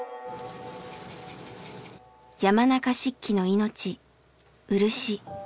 山中漆器の命「漆」。